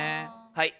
はい。